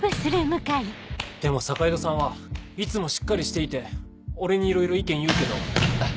でも坂井戸さんはいつもしっかりしていて俺にいろいろ意見言うけど。